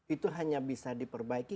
itu hanya bisa diperbaiki